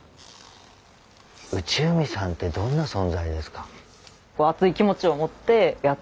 内海さんってどんな存在ですか？